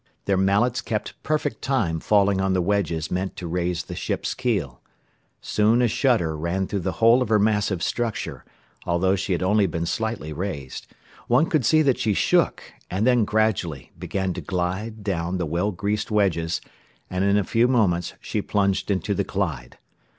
Their mallets kept perfect time falling on the wedges meant to raise the ship's keel: soon a shudder ran through the whole of her massive structure; although she had only been slightly raised, one could see that she shook, and then gradually began to glide down the well greased wedges, and in a few moments she plunged into the Clyde.